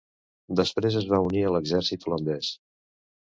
Després es va unir a l'exèrcit holandès.